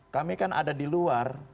kami kan ada di luar